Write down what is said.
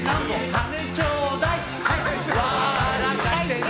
金ちょうだい！